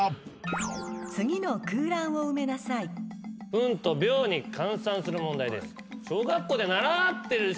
分と秒に換算する問題です。